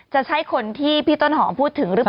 จะใช่คนที่พี่ต้นหอมพูดถึงหรือเปล่า